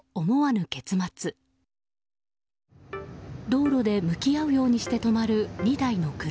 道路で向き合うようにして止まる２台の車。